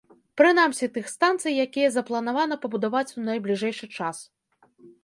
Прынамсі тых станцый, якія запланавана пабудаваць у найбліжэйшы час.